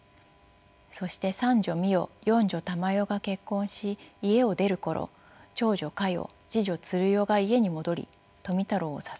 そして三女巳代四女玉代が結婚し家を出る頃長女香代次女鶴代が家に戻り富太郎を支えました。